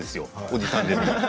おじさんでも。